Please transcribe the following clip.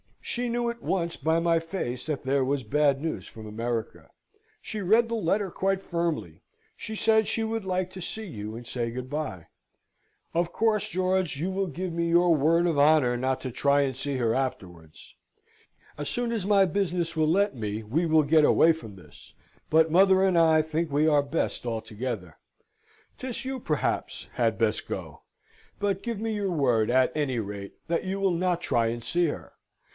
She knew at once by my face that there was bad news from America. She read the letter quite firmly. She said she would like to see you and say good bye. Of course, George, you will give me your word of honour not to try and see her afterwards. As soon as my business will let me we will get away from this, but mother and I think we are best all together. 'Tis you, perhaps, had best go. But give me your word, at any rate, that you will not try and see her.